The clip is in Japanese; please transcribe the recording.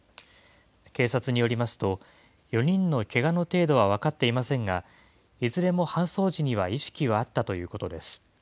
警察によりますと、４人のけがの程度は分かっていませんが、いずれも搬送時には意識はあったということです。